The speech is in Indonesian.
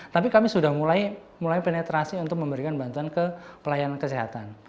tapi kami sudah mulai penetrasi untuk memberikan bantuan ke pelayanan kesehatan